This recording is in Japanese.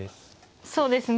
そうですね。